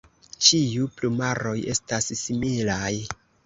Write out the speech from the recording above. Ĉiu plumaroj estas similaj.